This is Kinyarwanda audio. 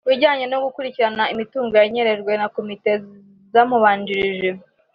Ku bijyanye no gukurikirana imitungo yanyerejwe na komite zamubanjirije